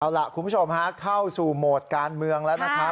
เอาล่ะคุณผู้ชมฮะเข้าสู่โหมดการเมืองแล้วนะครับ